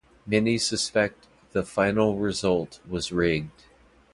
Many suspect the final result was rigged.